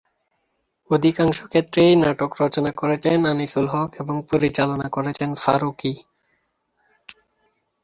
অধিকাংশ ক্ষেত্রেই নাটক রচনা করেছেন আনিসুল হক এবং পরিচালনা করেছেন ফারুকী।